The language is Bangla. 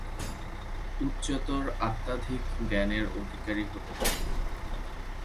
উচ্চতর আধ্যাত্মিক জ্ঞানের অধিকারী হতে হবে।